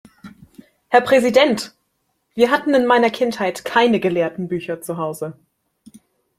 Herr Präsident! Wir hatten in meiner Kindheit keine gelehrten Bücher zuhause.